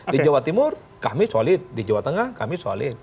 di jawa timur kami solid di jawa tengah kami solid